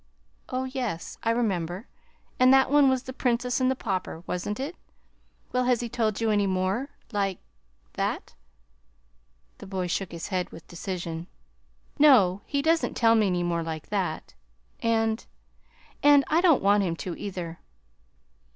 "Oh, yes, I remember, and that one was 'The Princess and the Pauper,' wasn't it? Well, has he told you any more like that?" The boy shook his head with decision. "No, he doesn't tell me any more like that, and and I don't want him to, either."